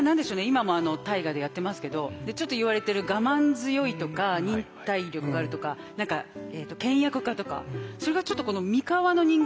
今も大河でやってますけどちょっと言われてる我慢強いとか忍耐力があるとか何か倹約家とかそれがちょっと三河の人間